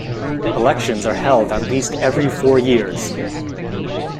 Elections are held at least every four years.